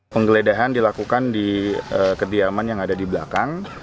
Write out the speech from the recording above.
penggeledahan dilakukan di kediaman yang ada di belakang